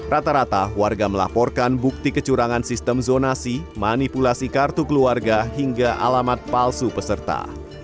rata rata warga melaporkan bukti kecurangan sistem zonasi manipulasi kartu keluarga hingga alamat palsu peserta